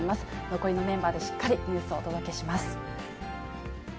残りのメンバーでしっかり、ニュースをお届けします。